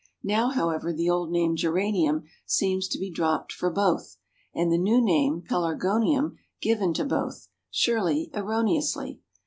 Now, however, the old name Geranium seems to be dropped for both, and the new name Pelargonium given to both, surely erroneously!